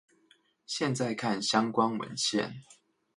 現在看相關文獻